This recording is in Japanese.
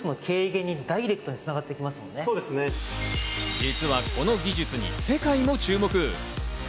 実はこの技術に世界も注目。